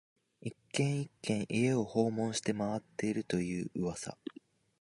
一軒、一軒、家を訪問して回っていると言う噂